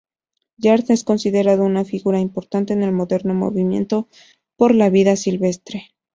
Yard es considerado una figura importante en el moderno movimiento por la vida silvestre.